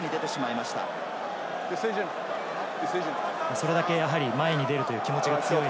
それだけやはり前に出るという気持ちが強い。